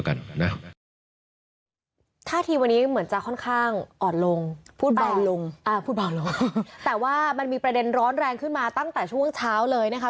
ท่าทีวันนี้เหมือนจะค่อนข้างอ่อนลงพูดเบาลงอ่าพูดเบาลงแต่ว่ามันมีประเด็นร้อนแรงขึ้นมาตั้งแต่ช่วงเช้าเลยนะคะ